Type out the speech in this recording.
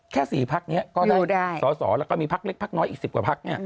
แค่๔พักนี้ก็ได้สอสอแล้วก็มีพักเล็กพักน้อยอีก๑๐กว่าพัก